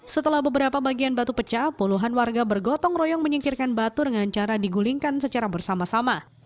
setelah beberapa bagian batu pecah puluhan warga bergotong royong menyingkirkan batu dengan cara digulingkan secara bersama sama